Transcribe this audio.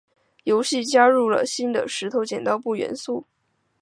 游戏加入了新的石头剪刀布元素。